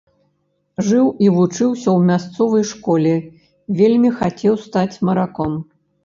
Жыў і вучыўся ў мясцовай школе, вельмі хацеў стаць мараком.